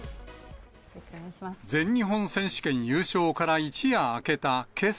全日本選手権優勝から一夜明けたけさ。